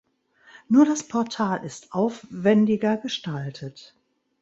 Nur das Portal ist aufwändiger gestaltet.